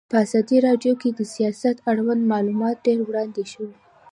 په ازادي راډیو کې د سیاست اړوند معلومات ډېر وړاندې شوي.